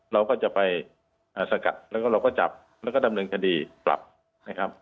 เราก็จะไปสกัดแล้วก็เราก็จับแล้วก็ดำเนินคดีปรับนะครับ